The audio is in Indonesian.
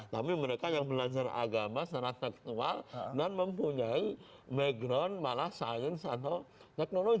tapi mereka yang belajar agama secara tektual dan mempunyai background malah sains atau teknologi